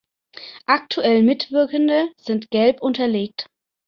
Aktuell Mitwirkende sind gelb unterlegt.